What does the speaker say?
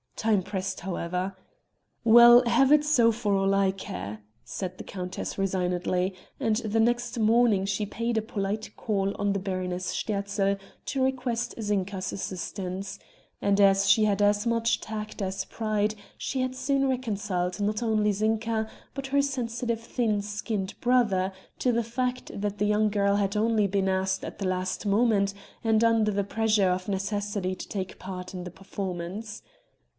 Time pressed however. "Well, have it so for all I care;" said the countess resignedly and next morning she paid a polite call on the Baroness Sterzl to request Zinka's assistance; and as she had as much tact as pride she had soon reconciled not only Zinka, but her sensitive thin skinned brother, to the fact that the young girl had only been asked at the last moment and under the pressure of necessity to take part in the performance.